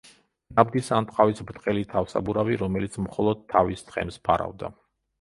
ნაბდის ან ტყავის ბრტყელი თავსაბურავი, რომელიც მხოლოდ თავის თხემს ფარავდა.